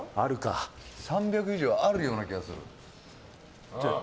３００以上あるような気がする。